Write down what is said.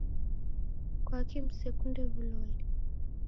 Kwaki msekunde w'uloli?